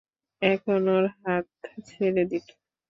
এখন ওর হাত ছেড়ে দিন।